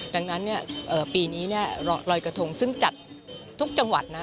ดังนั้นปีนี้ลอยกระทงซึ่งจัดทุกจังหวัดนะ